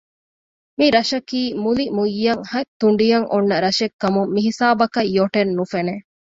މިރަށަކީ މުލިމުއްޔަށް ހަތް ތުނޑިއަށް އޮންނަ ރަށެއް ކަމުން މިހިސާބަކަށް ޔޮޓެއް ނުފެނެ